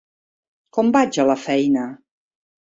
Com vaig a la feina?